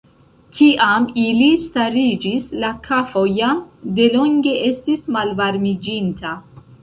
Kiam ili stariĝis, la kafo jam delonge estis malvarmiĝinta.